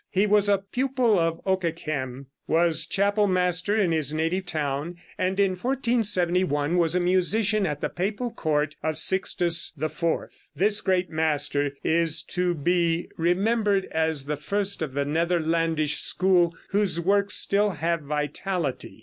He was a pupil of Okeghem; was chapel master in his native town, and in 1471 was a musician at the papal court of Sixtus IV. This great master is to be remembered as the first of the Netherlandish school whose works still have vitality.